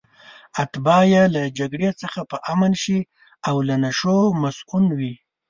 اتباع یې له جګړې څخه په امن شي او له نشو مصئون وي.